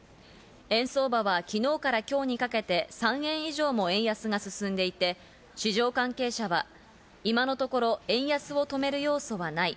円相場は昨日から今日にかけて３円以上も円安が進んでいて、市場関係者は今のところ、円安を止める要素はない。